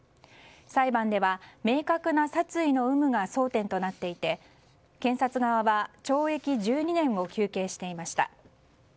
裁判では、明確な殺意の有無が争点となっていて検察側は懲役１２年を求刑していました。